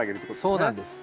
そうなんです。